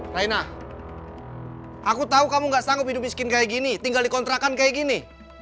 raina aku tahu kamu enggak sanggup hidup miskin kayak gini tinggal dikontrakan kayak gini